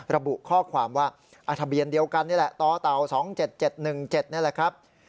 ระบุข้อความว่าทะเบียนเดียวกันนี่แหละต่อเต่า๒๗๗๑๗นี่แหละครับ